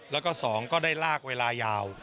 แล้วก็๒ก็ได้ลากเวลายาว